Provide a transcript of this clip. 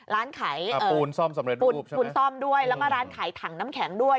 ร้านขายปูนซ่อมสำเร็จด้วยปูนซ่อมด้วยแล้วก็ร้านขายถังน้ำแข็งด้วย